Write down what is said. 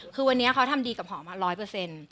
คือวันนี้เขาทำดีกับหอมมาร้อยเปอร์เซ็นต์